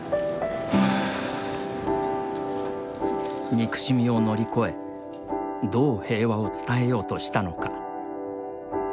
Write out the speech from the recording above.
憎しみを乗り越えどう平和を伝えようとしたのか。